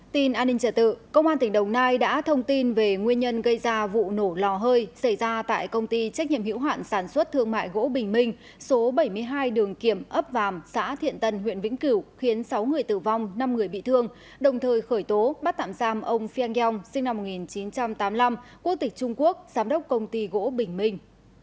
tin an ninh trở tự công an tỉnh đồng nai đã thông tin về nguyên nhân gây ra vụ nổ lò hơi xảy ra tại công ty trách nhiệm hữu hoạn sản xuất thương mại gỗ bình minh số bảy mươi hai đường kiểm ấp vàm xã thiện tân huyện vĩnh cửu khiến sáu người tử vong năm người bị thương đồng thời khởi tố bắt tạm giam ông phiang yang sinh năm một nghìn chín trăm tám mươi năm quốc tịch trung quốc giám đốc công ty gỗ bình minh